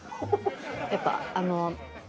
やっぱあの。